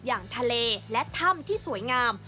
อย่างทะเลและถ้ำที่สวยงาม